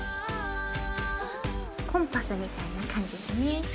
コンパスみたいな感じだね。